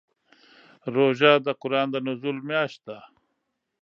روژه د قران د نزول میاشت ده.